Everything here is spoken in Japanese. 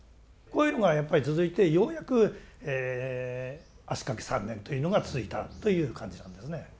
こういうのがやっぱり続いてようやく足かけ３年というのが続いたという感じなんですね。